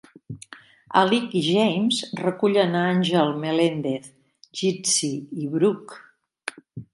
Alig i James recullen a Angel Melendez, Gitsie i Brooke.